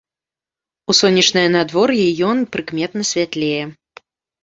У сонечнае надвор'е ён прыкметна святлее.